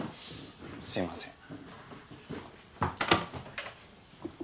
すいません。